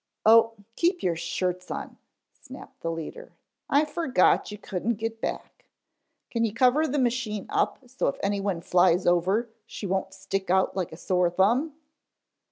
"Oh, keep your shirts on," snapped the leader. "I fergot you couldn't get back. Can you cover the machine up so if any one flies over she wouldn't stick out like a sore thumb?"